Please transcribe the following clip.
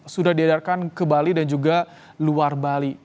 sudah diedarkan ke bali dan juga luar bali